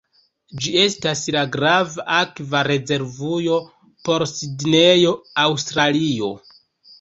Ĝi estas la grava akva rezervujo por Sidnejo, Aŭstralio.